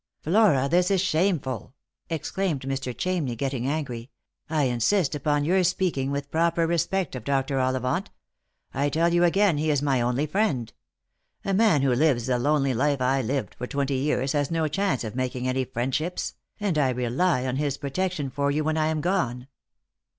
""" Flora, this is shameful !" exclaimed Mr. Chamney, getting j,ngry. " I insist upon your speaking with proper respect of Dr. Ollivant. I tell you again, he is my only friend. A man who lives the lonely life I lived for twenty years has no chance of making many friendships ; and I rely on his protection for you when I am gone.